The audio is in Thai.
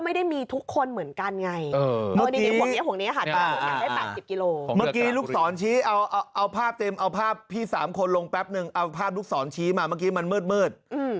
เมื่อกี้ลูกสอนชี้เอาภาพพี่สามคนลงแปลบนึงเอาภาพลูกสอนชี้มามันเมือด